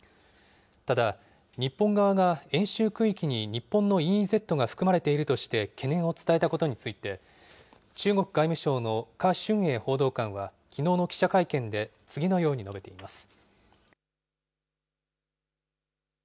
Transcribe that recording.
ただ、日本側が演習区域に日本のＥＥＺが含まれているとして懸念を伝えたことについて、中国外務省の華春瑩報道官はきのうの記者会見で次のように述べています。